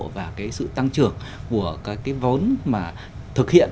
và cái sự tăng trưởng của các cái vốn mà thực hiện